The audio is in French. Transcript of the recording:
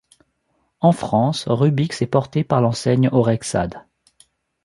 En France, Rubix est porté par l'enseigne Orexad.